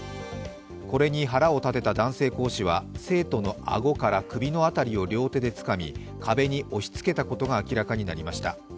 これに腹を立てた男性講師は生徒のあごから首の辺りを両手でつかみ壁に押しつけたことが明らかになりました。